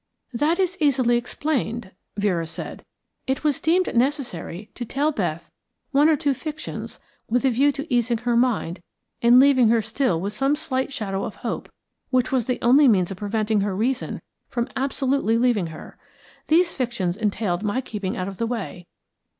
"That is easily explained," Vera said. "It was deemed necessary to tell Beth one or two fictions with a view to easing her mind and leaving her still with some slight shadow of hope, which was the only means of preventing her reason from absolutely leaving her. These fictions entailed my keeping out of the way.